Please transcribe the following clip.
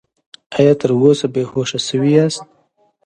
ایا تر اوسه بې هوښه شوي یاست؟